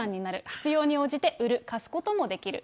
必要に応じて売る、貸すこともできる。